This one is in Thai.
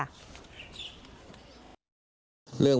ฟังเสียง